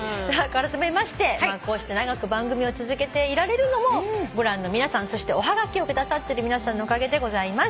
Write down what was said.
あらためましてこうして長く番組を続けていられるのもご覧の皆さんそしておはがきを下さってる皆さんのおかげでございます。